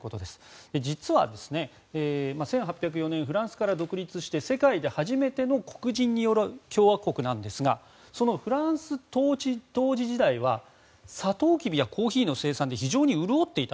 実は、１８０４年にフランスから独立して世界で初めての黒人による共和国ですがそのフランス統治時代はサトウキビやコーヒーの生産で非常に潤っていた。